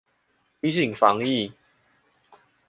提醒防疫